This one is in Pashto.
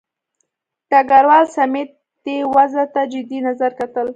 ډګروال سمیت دې وضع ته جدي نظر کتل.